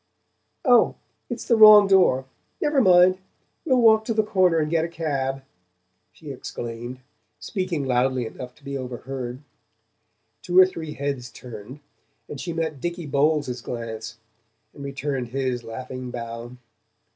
"Oh, it's the wrong door never mind, we'll walk to the corner and get a cab," she exclaimed, speaking loudly enough to be overheard. Two or three heads turned, and she met Dicky Bowles's glance, and returned his laughing bow.